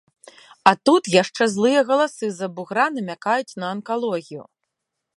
А тут яшчэ злыя галасы з-за бугра намякаюць на анкалогію.